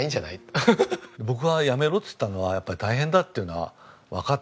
僕はやめろって言ったのはやっぱり大変だっていうのはわかってる。